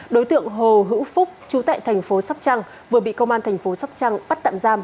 đối tượng hồ hữu phúc chú tại thành phố sóc trăng vừa bị công an thành phố sóc trăng bắt tạm giam